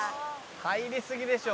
「入りすぎでしょ。